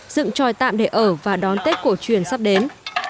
dựng tròi tạm để ở và đón tết của chuyển sắp đến